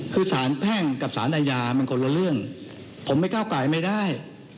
คือสารแพ่งกับสารอาญามันคนละเรื่องผมไม่ก้าวกลายไม่ได้